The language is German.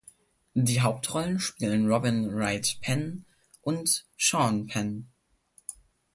Die Hauptrollen spielen Robin Wright Penn und Sean Penn.